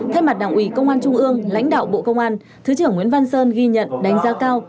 thay mặt đảng ủy công an trung ương lãnh đạo bộ công an thứ trưởng nguyễn văn sơn ghi nhận đánh giá cao